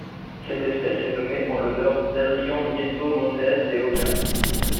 Cette espèce est nommée en l'honneur d'Adrian Nieto Montes de Oca.